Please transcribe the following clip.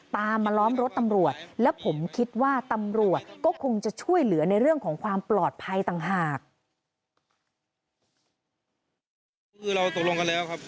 ตามมาล้อมรถตำรวจและผมคิดว่าตำรวจก็คงจะช่วยเหลือในเรื่องของความปลอดภัยต่างหาก